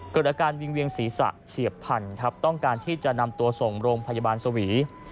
เกิดอาการวิงเวียงศีรษะเฉียบพันครับต้องการที่จะนำตัวส่งโรงพยาบาลสวี